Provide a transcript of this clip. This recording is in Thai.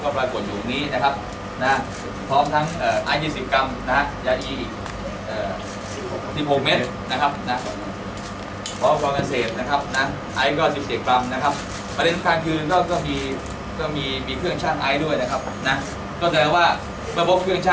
ประเด็นทางคืนก็ก็มีก็มีมีเครื่องช่างไอ้ด้วยนะครับนะฮะ